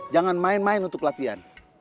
jangan main main untuk latihan